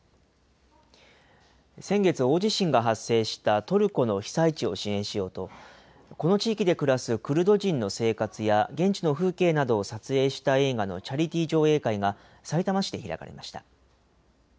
先月、大地震が発生したトルコの被災地を支援しようと、この地域で暮らすクルド人の生活や現地の風景などを撮影した映画のチャリティー上映会が、さいたま市で開かれました。